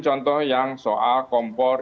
contoh yang soal kompor